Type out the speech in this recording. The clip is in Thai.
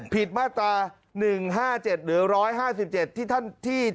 มาตรา๑๕๗หรือ๑๕๗ที่ท่านที่